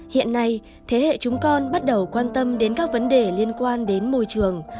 hiện nay thế hệ chúng con bắt đầu quan tâm đến các vấn đề liên quan đến môi trường